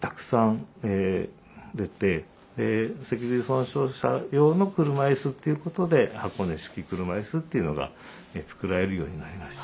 脊髄損傷者用の車いすっていうことで箱根式車椅子っていうのが作られるようになりました。